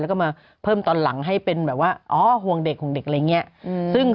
แล้วก็มาเพิ่มตอนหลังให้เป็นแบบว่าอ๋อห่วงเด็กห่วงเด็กอะไรอย่างนี้